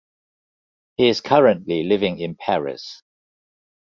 He is currently living in Paris.